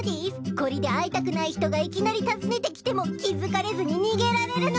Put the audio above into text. こりで会いたくない人がいきなり訪ねてきても気付かれずに逃げられるのでぃす。